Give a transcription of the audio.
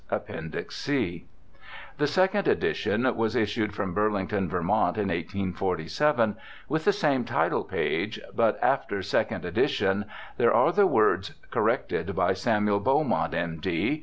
(Appendix C.) The second edition was issued from Burlington, Vt., in 1847, with the same title page, but after Second Edition there are the words, Corrected by Samuel Beaumont, M.D.